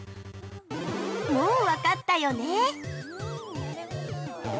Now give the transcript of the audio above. ◆もうわかったよね？